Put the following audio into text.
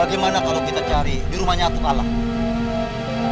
bagaimana kalau kita cari di rumahnya atuk alang